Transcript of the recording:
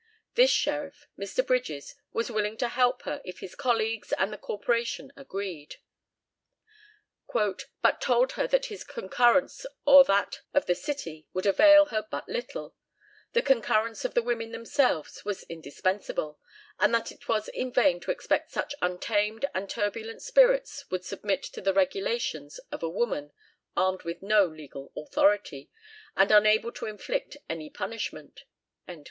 This sheriff, Mr. Bridges, was willing to help her if his colleagues and the Corporation agreed, "but told her that his concurrence or that of the city would avail her but little the concurrence of the women themselves was indispensable; and that it was in vain to expect such untamed and turbulent spirits would submit to the regulations of a woman armed with no legal authority, and unable to inflict any punishment."